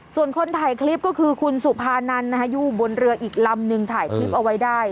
ส่วนคนถ่ายคลิปก็คือคุณสุภานันอยู่บนเรืออีกลำนึงถ่ายคลิปเอาไว้ได้